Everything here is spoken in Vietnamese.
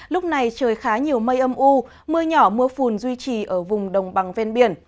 lúc này trời khá nhiều mây âm u mưa nhỏ mưa phùn duy trì ở vùng đồng bằng ven biển